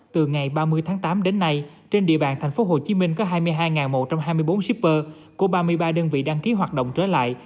từ ngày ba mươi tháng tám đến nay trên địa bàn tp hcm có hai mươi hai một trăm hai mươi bốn shipper của ba mươi ba đơn vị đăng ký hoạt động trở lại